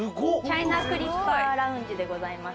チャイナクリッパーラウンジでございます。